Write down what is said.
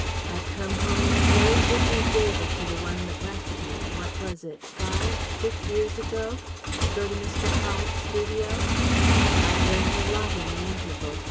I've come home a very different David to the one that left you what was it? Five six years ago? to go to Mr. Praed's studio. I've learnt a lot in the interval.